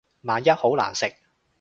萬一好難食